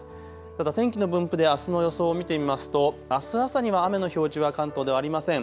ただ天気の分布であすの予想を見てみますとあす朝には雨の表示は関東ではありません。